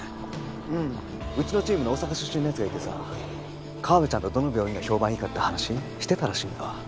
うんウチのチームに大阪出身のヤツがいてさ河部ちゃんとどの病院が評判いいかって話してたらしいんだ